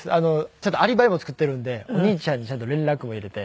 ちゃんとアリバイも作っているのでお兄ちゃんにちゃんと連絡も入れて。